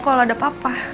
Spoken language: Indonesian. kalo ada papa